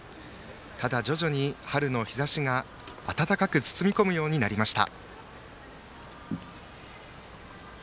ただ徐々に春の日ざしが暖かく包み込むようになりました。